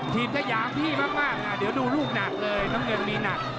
พิมพ์จะหยางพี่มากเดี๋ยวดูลูกหนักเลยน้องเงินมีหนัก